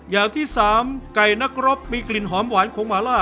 อย่างที่สามไก่นักรบมีกลิ่นหอมหวานของหมาล่า